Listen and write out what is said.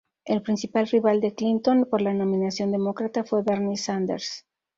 El principal rival de Clinton por la nominación demócrata fue Bernie Sanders.